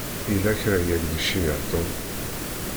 Yella kra i ak-d-iceyyeɛ Tom.